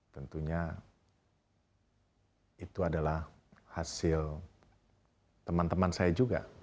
tentunya itu adalah hasil teman teman saya juga